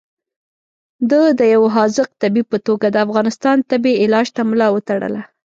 ده د یو حاذق طبیب په توګه د افغانستان تبې علاج ته ملا وتړله.